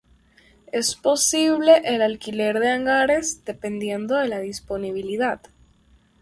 Es posible el alquiler de hangares dependiendo de la disponibilidad.